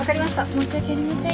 申し訳ありません。